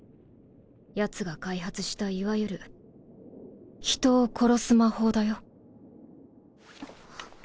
ヤツが開発したいわゆる人を殺す魔法だよ。